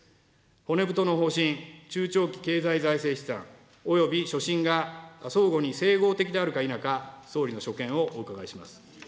骨太の方針、中長期経済財政試算、および所信が相互に整合的であるか否か、総理の所見をお伺いします。